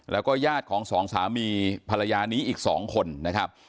แล้วก็ญาติของสองสามีภรรยานี้อีก๒คนนะครับ